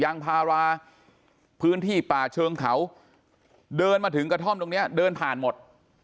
ยางพาราพื้นที่ป่าเชิงเขาเดินมาถึงกระท่อมตรงเนี้ยเดินผ่านหมด